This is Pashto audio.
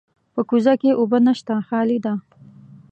په کوزه کې اوبه نشته، خالي ده.